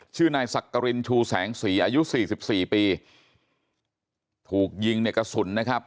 ชื่อนายสักกรินชูแสงสีอายุสี่สิบสี่ปีถูกยิงในกระสุนนะครับ